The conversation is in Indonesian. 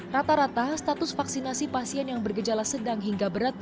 rata rata status vaksinasi pasien yang bergejala sedang hingga berat